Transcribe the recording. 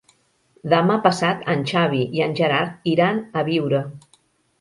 Demà passat en Xavi i en Gerard iran a Biure.